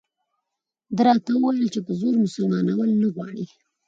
ده راته وویل چې په زور مسلمانول نه غواړي.